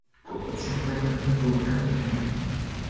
Se encuentra en República del Congo.